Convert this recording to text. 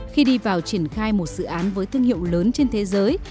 khi đi vào triển khai một dự án với thương hiệu lớn trên thế giới